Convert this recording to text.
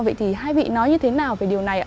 vậy thì hai vị nói như thế nào về điều này ạ